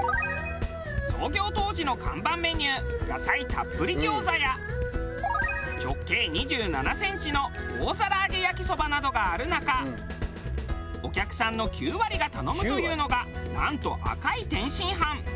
たっぷり餃子や直径２７センチの大皿揚げ焼きそばなどがある中お客さんの９割が頼むというのがなんと赤い天津飯。